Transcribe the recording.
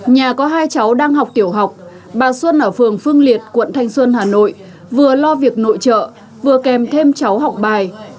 nhà có hai cháu đang học tiểu học bà xuân ở phường phương liệt quận thanh xuân hà nội vừa lo việc nội trợ vừa kèm thêm cháu học bài